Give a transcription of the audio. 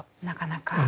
なかなか。